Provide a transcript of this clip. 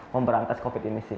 memberantas covid ini sih